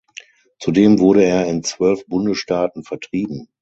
Zudem wurde er in zwölf Bundesstaaten vertrieben.